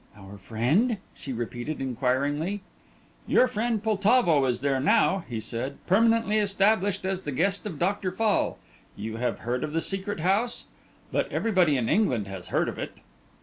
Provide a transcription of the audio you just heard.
"Our friend?" she repeated, inquiringly. "Your friend Poltavo is there now," he said, "permanently established as the guest of Dr. Fall. You have heard of the Secret House? but everybody in England has heard of it."